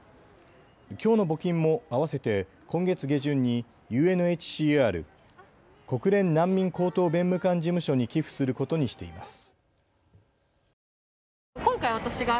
きょうの募金も合わせて今月下旬にＵＮＨＣＲ・国連難民高等弁務官事務所に寄付することにしています。